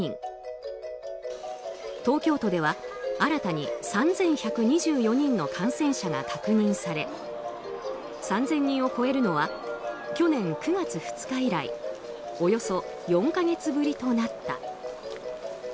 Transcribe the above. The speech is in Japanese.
東京都では新たに３１２４人の感染者が確認され３０００人を超えるのは去年９月２日以来およそ４か月ぶりとなった。